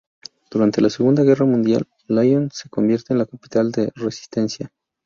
Durante la segunda guerra mundial, Lyon se convierte en la capital de la Resistencia.